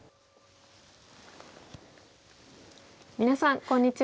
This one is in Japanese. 皆さんこんにちは。